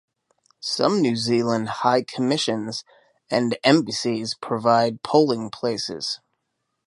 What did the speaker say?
Some New Zealand High Commissions and Embassies provide polling places.